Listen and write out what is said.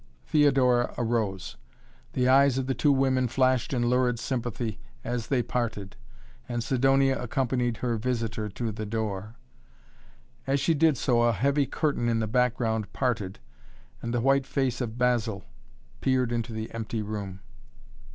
Theodora arose. The eyes of the two women flashed in lurid sympathy as they parted, and Sidonia accompanied her visitor to the door. As she did so a heavy curtain in the background parted and the white face of Basil peered into the empty room.